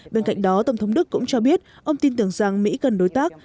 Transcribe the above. bên cạnh đó tổng thống đức cũng cho biết ông tin tưởng rằng mỹ cần đối tác